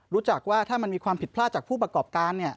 รู้จักว่าถ้ามันมีความผิดพลาดจากผู้ประกอบการ